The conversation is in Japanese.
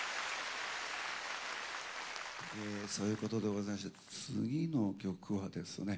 そういうことでございまして次の曲はですね